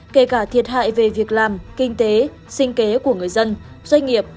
kể cả thiệt hại về việc làm kinh tế sinh kế của người dân doanh nghiệp